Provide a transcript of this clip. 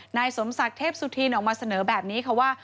นายสมศักดิ์เทพสุธินออกมาเสนอแบบนี้ค่ะว่า